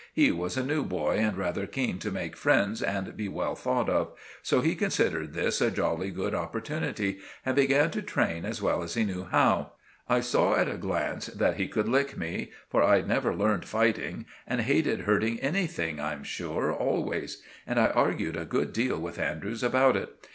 He was a new boy and rather keen to make friends and be well thought of; so he considered this a jolly good opportunity and began to train as well as he knew how. I saw at a glance that he could lick me, for I'd never learned fighting and hated hurting anything, I'm sure, always; and I argued a good deal with Andrews about it.